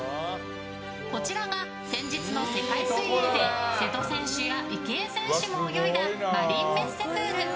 こちらが先日の世界水泳で瀬戸選手や池江選手も泳いだマリンメッセプール。